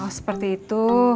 oh seperti itu